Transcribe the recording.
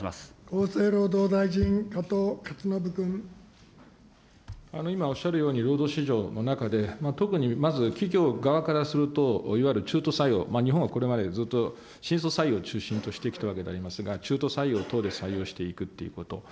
厚生労働大臣、今おっしゃるように労働市場の中で特にまず、企業側からすると、いわゆる中途採用、日本はこれまでずっと新卒採用を中心としてきたわけですが、中途採用等で採用していくっていうこと。